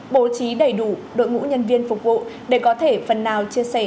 bố trí đầy đủ đội ngũ nhân viên phục vụ để có thể phần nào chia sẻ